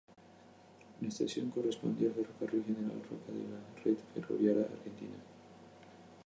La estación correspondía al Ferrocarril General Roca de la red ferroviaria argentina.